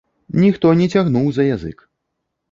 Ніхто не цягнуў за язык.